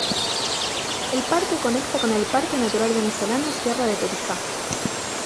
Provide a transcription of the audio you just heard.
El parque conecta con el parque natural venezolano Sierra de Perijá.